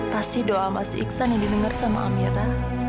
pasti doa mas iksan yang didengar sama amira